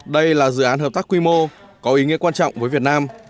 đây là dự án hợp tác quy mô có ý nghĩa quan trọng với việt nam